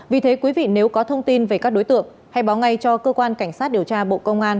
vì thế quý vị nếu có thông tin về các đối tượng hãy báo ngay cho cơ quan cảnh sát điều tra bộ công an